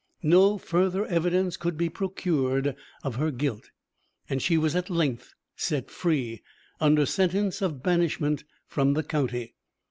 No further evidence could be procured of her guilt, and she was at length set free, under sentence of banishment from the county.